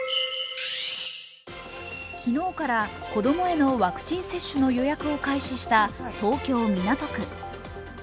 昨日から子供へのワクチン接種の予約を開始した東京・港区。